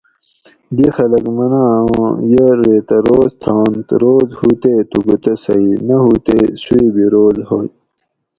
دی خلک مناں اوں یہ ریتہ روز تھانت روز ہو تے تھوکو تہ صحیح نہ ہو تے سویبی روز ہوئے